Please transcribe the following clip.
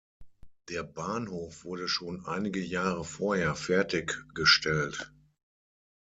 Der Bahnhof wurde schon einige Jahre vorher fertiggestellt.